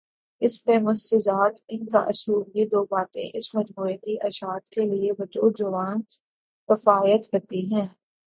اس پہ مستزاد ان کا اسلوب یہ دوباتیں اس مجموعے کی اشاعت کے لیے بطورجواز کفایت کرتی ہیں۔